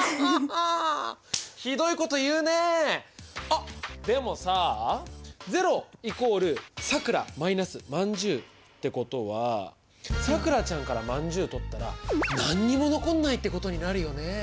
あっでもさあ０＝さくらーまんじゅうってことはさくらちゃんからまんじゅう取ったら何にも残んないってことになるよねえ。